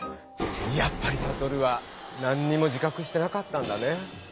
やっぱりサトルはなんにも自かくしてなかったんだね。